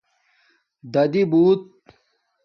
رادی بوت